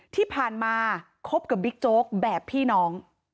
ที่ผ่านมาคบกับบิ๊กโจ๊กแบบพี่น้อง